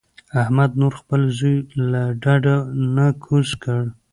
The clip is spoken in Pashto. احمد نور خپل زوی له ډډو نه کوز کړ.